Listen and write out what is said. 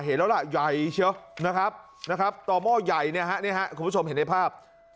เห็นแล้วล่ะใหญ่เชียวต่อหม้อใหญ่คุณผู้ชมเห็นในภาพ